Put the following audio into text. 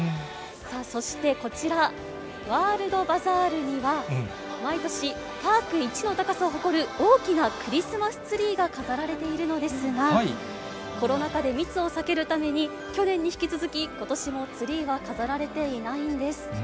そして、こちら、ワールドバザールには、毎年、パーク一の高さを誇る、大きなクリスマスツリーが飾られているのですが、コロナ禍で密を避けるために、去年に引き続き、ことしもツリーは飾られていないんです。